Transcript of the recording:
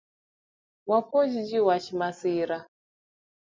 Wapuonj ji wach masira